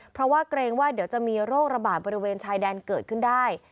เพราะว่าเกรงว่าเดี๋ยวจะมีโรคระบาดบริเวณชายแดนเกิดขึ้นได้